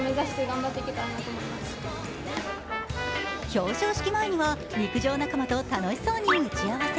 表彰式前には陸上仲間と楽しそうに打ち合わせ。